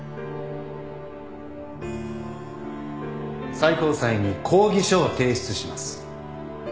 最高裁に抗議書を提出します。